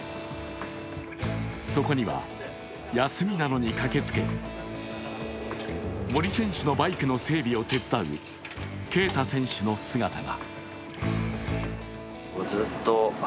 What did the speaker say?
そこには休みなのに駆けつけ、森選手のバイクの整備を手伝う恵匠選手の姿が。